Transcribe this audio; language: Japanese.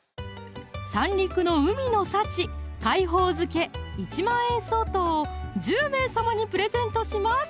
三陸の海の幸「海宝漬」１万円相当を１０名様にプレゼントします